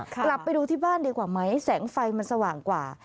กลับไปดูที่บ้านดีกว่าไหมแสงไฟมันสว่างกว่า